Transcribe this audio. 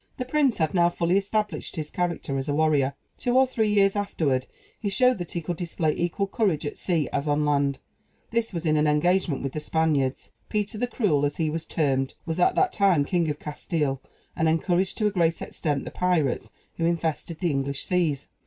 The prince had now fully established his character as a warrior. Two or three years afterward, he showed that he could display equal courage at sea as on land; this was in an engagement with the Spaniards. Peter the Cruel as he was termed was at that time King of Castile, and encouraged, to a great extent, the pirates who infested the English seas.